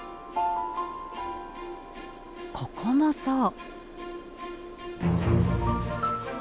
ここもそう。